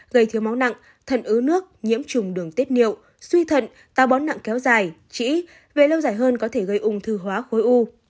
gây thiếu máu nặng thận ứ nước nhiễm trùng đường tiết niệu suy thận tàu bón nặng kéo dài trĩ về lâu dài hơn có thể gây ung thư hóa khối u